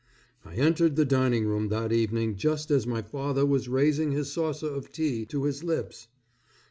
I entered the dining room that evening just as my father was raising his saucer of tea to his lips.